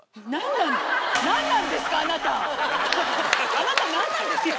あなた何なんですか？